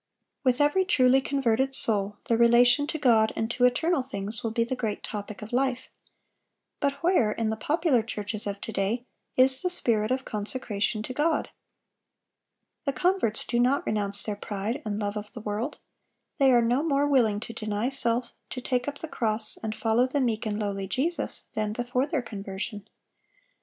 With every truly converted soul the relation to God and to eternal things will be the great topic of life. But where, in the popular churches of to day, is the spirit of consecration to God? The converts do not renounce their pride and love of the world. They are no more willing to deny self, to take up the cross, and follow the meek and lowly Jesus, than before their conversion.